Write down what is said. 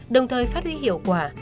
đồng thời phát huy hiệu quả